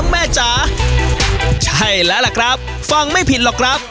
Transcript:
จ๋าใช่แล้วล่ะครับฟังไม่ผิดหรอกครับ